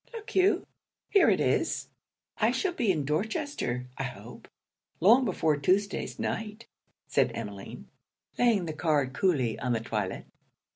Look you, here it is.' 'I shall be in Dorsetshire, I hope, long before Tuesday se'nnight,' said Emmeline, laying the card coolly on the toilet.